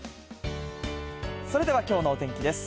それではきょうのお天気です。